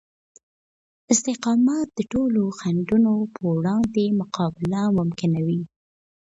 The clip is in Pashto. استقامت د ټولو خنډونو په وړاندې مقابله ممکنوي.